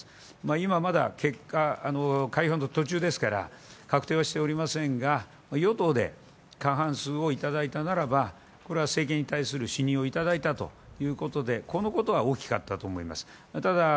今、開票の途中ですから確定はしておりませんが、与党で過半数をいただいたならば政権に対する信任をいただいたということでこのことは大きかったと思います。